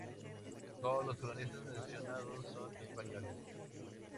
Todos los cronistas mencionados son españoles.